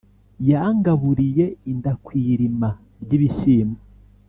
Yangaburiye inda kw'irima ry'ibishyimbo;